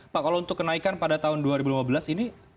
pak kalau untuk kenaikan pada tahun dua ribu lima belas ini